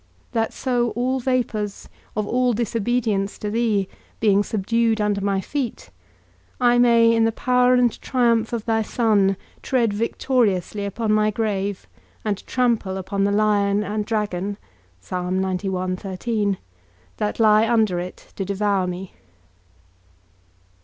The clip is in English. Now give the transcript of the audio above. That so all vapours of all disobedience to thee, being subdued under my feet, I may, in the power and triumph of thy Son, tread victoriously upon my grave, and trample upon the lion and dragon that lie under it to devour me.